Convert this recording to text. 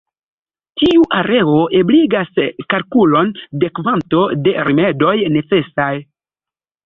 Tiu areo ebligas kalkulon de kvanto de rimedoj necesaj.